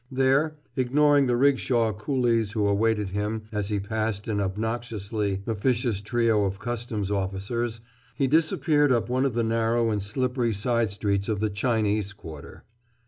There, ignoring the rickshaw coolies who awaited him as he passed an obnoxiously officious trio of customs officers, he disappeared up one of the narrow and slippery side streets of the Chinese quarter.